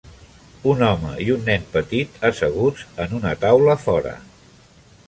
Un home i un nen petit asseguts en una taula fora.